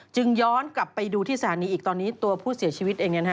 ย้อนกลับไปดูที่สถานีอีกตอนนี้ตัวผู้เสียชีวิตเอง